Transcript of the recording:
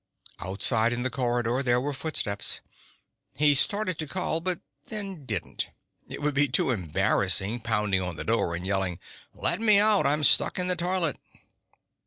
Outside in the corridor there were footsteps. He started to call, but then didn't. It would be too embarrassing, pounding on the door and yelling, "Let me out! I'm stuck in the toilet